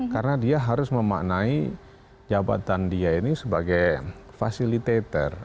karena dia harus memaknai jabatan dia ini sebagai fasilitator